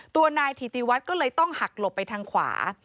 ตัวนายถิติวัฒน์ก็เลยต้องหักหลบไปทางขวา